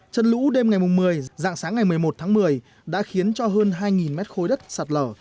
trận lũ đêm ngày một mươi dạng sáng ngày một mươi một tháng một mươi đã khiến cho hơn hai mét khối đất sạt lở